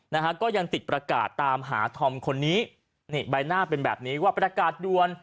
นะฮะก็ยังติดประกาศตามหาธอมคนนี้นี่ใบหน้าเป็นแบบนี้ว่าประกาศด่วน